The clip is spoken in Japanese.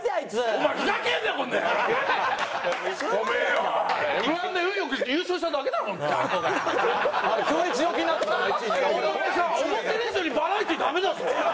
お前さ思ってる以上にバラエティーダメだぞ？